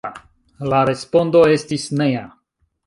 La respondo estis nea.